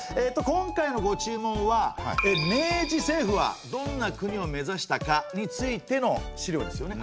今回のご注文は「明治政府はどんな国を目指したか？」についての資料ですよね。